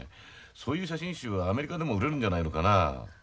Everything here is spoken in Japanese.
そういう写真集はアメリカでも売れるんじゃないのかな。